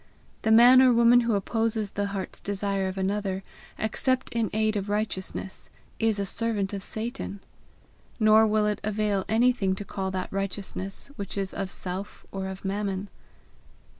The man or woman who opposes the heart's desire of another, except in aid of righteousness, is a servant of Satan. Nor will it avail anything to call that righteousness which is of Self or of Mammon.